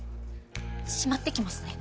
しまってきますね。